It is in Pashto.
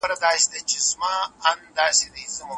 د علومو وېش یوازي د زده کړي لپاره دی.